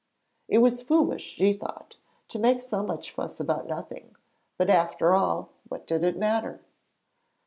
It was foolish, she thought, to make so much fuss about nothing; but after all, what did it matter?